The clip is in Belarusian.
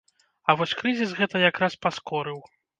А вось крызіс гэта як раз паскорыў!